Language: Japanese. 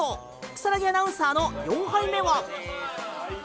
草薙アナウンサーの４杯目は。